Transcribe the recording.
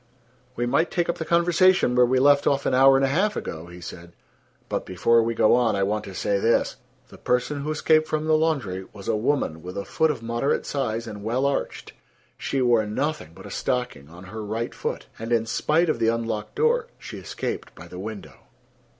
"We might take up the conversation where we left off an hour and a half ago," he said. "But before we go on, I want to say this: The person who escaped from the laundry was a woman with a foot of moderate size and well arched. She wore nothing but a stocking on her right foot, and, in spite of the unlocked door, she escaped by the window."